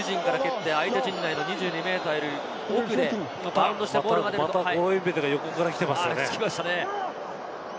自陣から蹴った相手陣内の２２ｍより奥でバウンドしたボールが出るとまたコロインベテが横から来ていましたね。